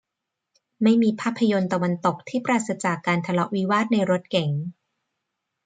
ไม่มีภาพยนตร์ตะวันตกที่ปราศจากการทะเลาะวิวาทในรถเก๋ง